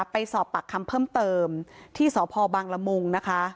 ไปสอบปากคำเพิ่มเติมที่สพบังละมุงนะคะ